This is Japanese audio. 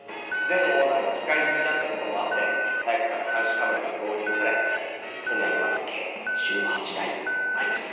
前オーナーが機械好きだったこともあって早くから監視カメラが導入され店内には計１８台あります。